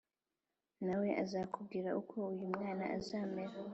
na we azakubwire uko uyu mwana azamera”